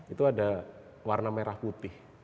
itu ada warna merah putih